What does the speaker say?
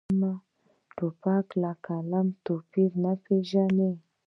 توپک له قلم توپیر نه پېژني.